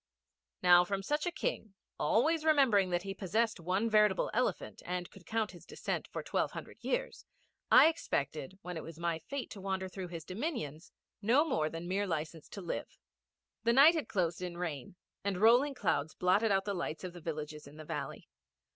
Now, from such a King, always remembering that he possessed one veritable elephant, and could count his descent for twelve hundred years, I expected, when it was my fate to wander through his dominions, no more than mere license to live. The night had closed in rain, and rolling clouds blotted out the lights of the villages in the valley.